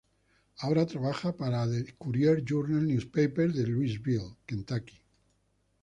Ahora trabaja para "The Courier-Journal Newspaper" de Louisville, Kentucky.